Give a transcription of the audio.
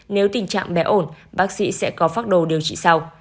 nếu tình trạng bé ổn bác sĩ sẽ có phác đồ điều trị sau